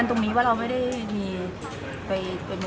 ก็มีเป็นกลุ่มเพื่อนอะค่ะ